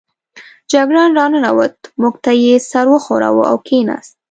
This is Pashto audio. جګړن را ننوت، موږ ته یې سر و ښوراوه او کېناست.